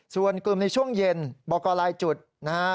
ส่วนกลุ่มในช่วงเย็นบอกกรลายจุดนะฮะ